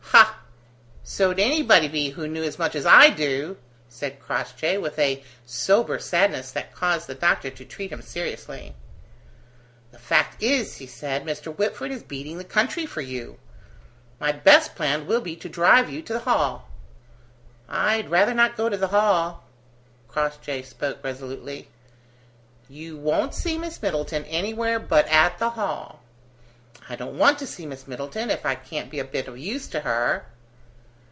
"Ah! so'd anybody be who knew as much as I do," said Crossjay, with a sober sadness that caused the doctor to treat him seriously. "The fact is," he said, "Mr. Whitford is beating the country for you. My best plan will be to drive you to the Hall." "I'd rather not go to the Hall," Crossjay spoke resolutely. "You won't see Miss Middleton anywhere but at the Hall." "I don't want to see Miss Middleton, if I can't be a bit of use to her."